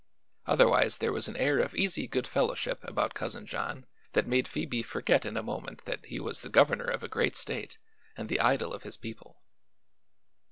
Otherwise there was an air of easy goodfellowship about Cousin John that made Phoebe forget in a moment that he was the governor of a great state and the idol of his people.